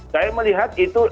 saya melihat itu